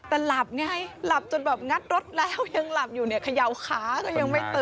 แต่หลับไงหลับจนแบบงัดรถแล้วยังหลับอยู่เนี่ยเขย่าขาก็ยังไม่ตื่น